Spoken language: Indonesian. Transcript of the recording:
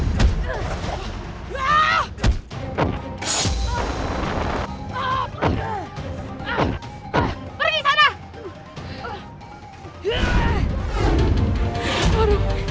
pergi ke sana